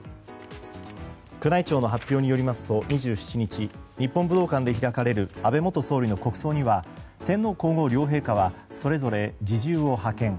宮内庁の発表によりますと２７日日本武道館で開かれる安倍元総理の国葬には天皇・皇后両陛下はそれぞれ侍従を派遣。